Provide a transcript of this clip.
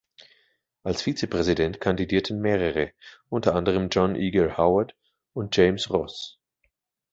Als Vizepräsident kandidierten mehrere, unter anderem John Eager Howard und James Ross.